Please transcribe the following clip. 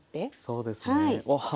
そうですね。